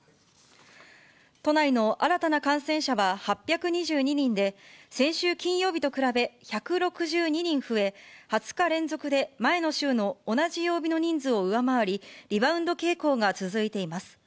都内の新たな感染者は８２２人で、先週金曜日と比べ１６２人増え、２０日連続で前の週の同じ曜日の人数を上回り、リバウンド傾向が続いています。